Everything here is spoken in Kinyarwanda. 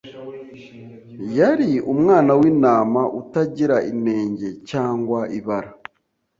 Yari Umwana w’Intama “utagira inenge cyangwa ibara